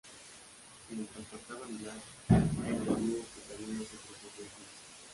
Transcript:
Mientras tocaba en Black 'N Blue su camino se cruzó con Kiss.